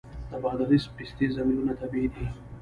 د بادغیس پستې ځنګلونه طبیعي دي؟